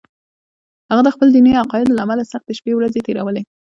هغه د خپلو دیني عقایدو له امله سختې شپې ورځې تېرولې